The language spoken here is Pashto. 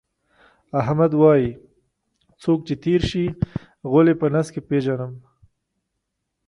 احمد وایي: څوک چې تېر شي، غول یې په نس کې پېژنم.